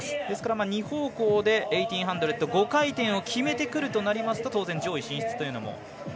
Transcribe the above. ですから２方向で１８００５回転を決めてくるとなりますと当然、上位進出というのも。